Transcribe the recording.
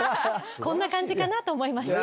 こんな感じかなと思いまして。